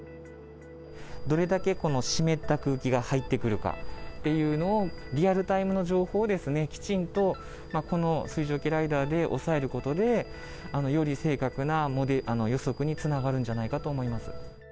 どれだけこの湿った空気が入ってくるかっていうのを、リアルタイムの情報をですね、きちんとこの水蒸気ライダーで押さえることで、より正確な予測につながるんじゃないかと思います。